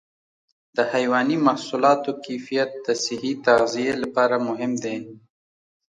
د حيواني محصولاتو کیفیت د صحي تغذیې لپاره مهم دی.